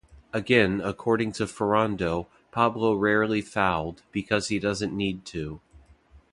Again according to Ferrando, Pablo rarely fouled, because he doesn't need to.